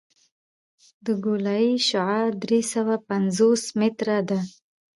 د ګولایي شعاع درې سوه پنځوس متره ده